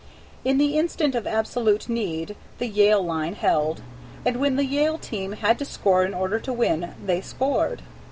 In the instant of absolute need, the Yale line held, and when the Yale team had to score in order to win, they scored.